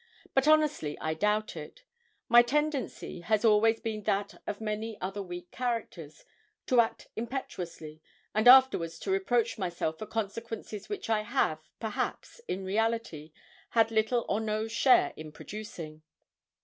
But, honestly, I doubt it; my tendency has always been that of many other weak characters, to act impetuously, and afterwards to reproach myself for consequences which I have, perhaps, in reality, had little or no share in producing.